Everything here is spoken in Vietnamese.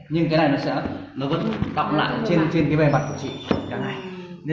nhưng cái này nó sẽ nó vẫn động lại trên cái bề mặt của chị cả ngày